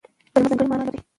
کلیمه ځانګړې مانا لري.